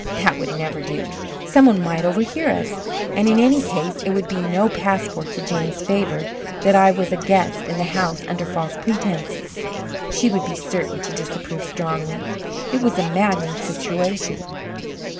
That would never do. Someone might overhear us. And, in any case, it would be no passport to Jane's favor that I was a guest in the house under false pretences. She would be certain to disapprove strongly. It was a maddening situation.